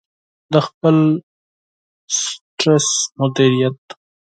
-د خپل سټرس مدیریت